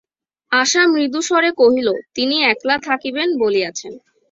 আশা মৃদুস্বরে কহিল, তিনি একলা থাকিবেন বলিয়াছেন।